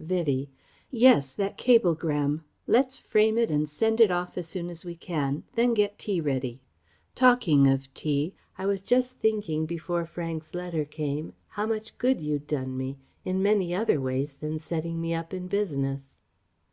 Vivie: "Yes, that cablegram.... Let's frame it and send it off as soon as we can; then get tea ready. Talking of tea: I was just thinking before Frank's letter came how much good you'd done me in many other ways than setting me up in business."